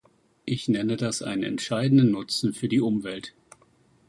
Ich nenne das einen entscheidenden Nutzen für die Umwelt.